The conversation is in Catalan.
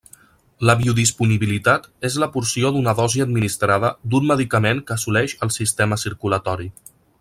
La biodisponibilitat és la porció d'una dosi administrada d'un medicament que assoleix el sistema circulatori.